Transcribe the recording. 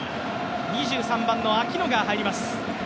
２３番のアキノが入ります。